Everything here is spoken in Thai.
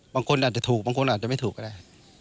บางคนอาจจะถูกบางคนอาจจะไม่ถูกก็ได้